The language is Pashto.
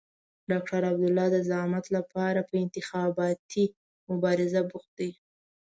ډاکټر عبدالله د زعامت لپاره په انتخاباتي مبارزه بوخت دی.